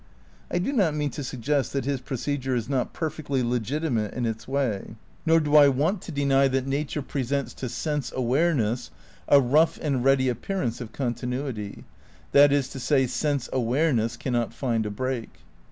I do not mean to suggest that his procedure is not perfectly legitimate in its way, nor do I want to deny that nature presents to sense awareness a rough and ready appearance of continuity ; that is to say, sense awareness cannot find a break.